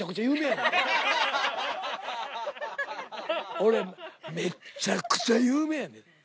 俺めっちゃくちゃ有名やで。